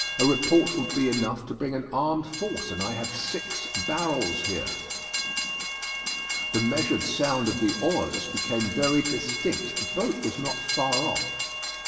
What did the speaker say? A report would be enough to bring an armed force and I have six barrels here." The measured sound of the oars became very distinct. The boat was not far off.